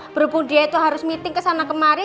berhubung dia itu harus meeting kesana kemarin